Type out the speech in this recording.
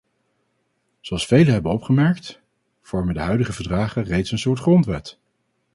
Zoals velen hebben opgemerkt, vormen de huidige verdragen reeds een soort grondwet.